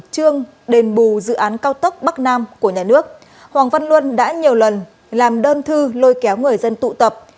trương đền bù dự án cao tốc bắc nam của nhà nước hoàng văn luân đã nhiều lần làm đơn thư lôi kéo người dân tụ tập